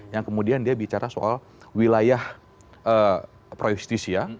yang kemudian dia bicara soal wilayah proyekstis ya